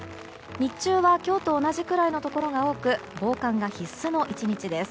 日中は今日と同じくらいのところが多く防寒が必須の１日です。